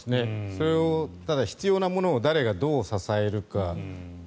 その必要なものを誰がどう支えるか。